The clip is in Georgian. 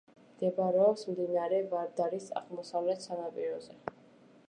მდებარეობს მდინარე ვარდარის აღმოსავლეთ სანაპიროზე.